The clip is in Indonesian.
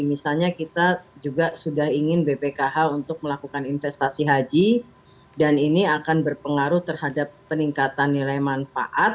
misalnya kita juga sudah ingin bpkh untuk melakukan investasi haji dan ini akan berpengaruh terhadap peningkatan nilai manfaat